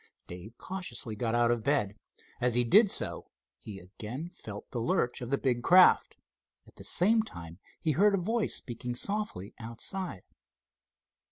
Dave cautiously got out of bed. As he did so he again felt the lurch of the big craft. At the same time he heard a voice speaking softly outside.